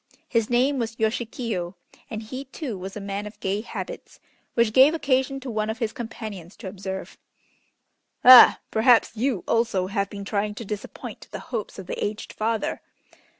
His name was Yoshikiyo, and he, too, was a man of gay habits, which gave occasion to one of his companions to observe: "Ah! perhaps you also have been trying to disappoint the hopes of the aged father."